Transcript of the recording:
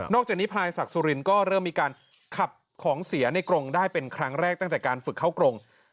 จากนี้พลายศักดิ์สุรินก็เริ่มมีการขับของเสียในกรงได้เป็นครั้งแรกตั้งแต่การฝึกเข้ากรง